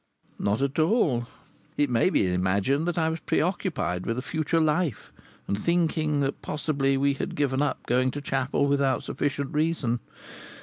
Not at all! It may be imagined that I was preoccupied with a future life, and thinking that possibly we had given up going to chapel without sufficient reason.